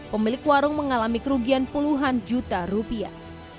pemilik warung mengalami kerugian puluhan juta rupiah